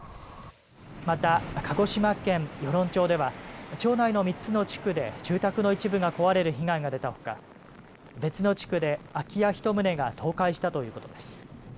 また、鹿児島県与論町では町内の３つの地区で住宅の一部が壊れる被害が出たほか別の地区で空き家１棟が倒壊したということです。